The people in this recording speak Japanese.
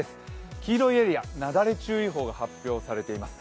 黄色いエリア、なだれ注意報が発表されています。